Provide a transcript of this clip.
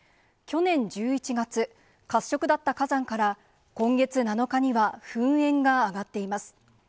去年１１月、褐色だった火山から、今月７日には噴煙が上がっています。